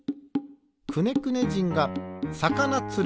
くねくね人がさかなつる。